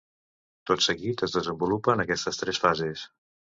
Tot seguit es desenvolupen aquestes tres fases.